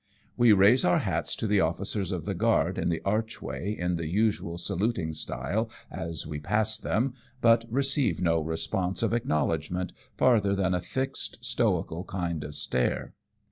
We raise our hats to the officers of the guard in the archway in the usual saluting style as we pass them, but receive no response of acknowledgment farther than a fixed stoical kind of stare.